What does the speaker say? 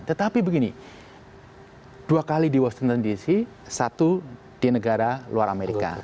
tetapi begini dua kali di washington dc satu di negara luar amerika